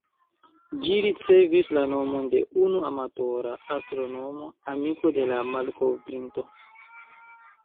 Ĝi ricevis la nomon de unu amatora astronomo, amiko de la malkovrinto.